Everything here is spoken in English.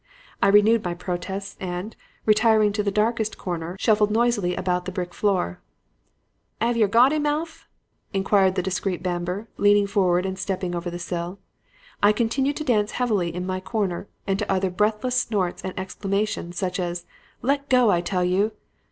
"I renewed my protests, and, retiring to the darkest corner, shuffled noisily about the brick floor. "''Ave yer got 'im, Alf?' inquired the discreet Bamber, leaning forward and stepping over the sill. I continued to dance heavily in my corner and to utter breathless snorts and exclamations such as, 'Let go, I tell you!'